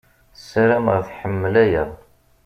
Ssaram-aɣ tḥemmel aya.